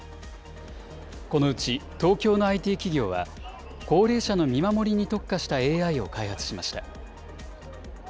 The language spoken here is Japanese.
このうち東京のＩＴ企業は、高齢者の見守りに特化したＡＩを開発しました。